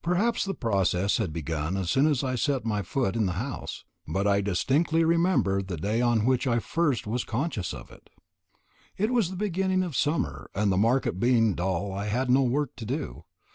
Perhaps the process had begun as soon as I set my foot in the house, but I distinctly remember the day on which I first was conscious of it. It was the beginning of summer, and the market being dull I had no work to do.